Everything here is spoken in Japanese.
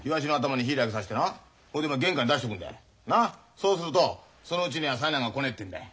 そうするとそのうちには災難が来ねえっていうんだよ。